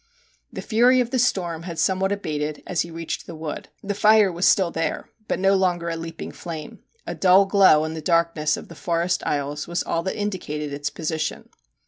The fury of the storm had somewhat abated as he reached the wood. The fire was still there, but no longer a leaping flame. A dull glow in the darkness of the forest aisles was all that indicated its position.